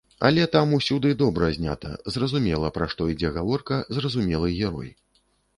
Але там усюды добра знята, зразумела, пра што ідзе гаворка, зразумелы герой.